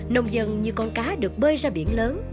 nông dân như con cá được bơi ra biển lớn